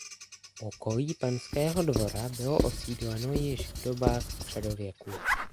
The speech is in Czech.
Okolí panského dvora bylo osídleno již v dobách středověku.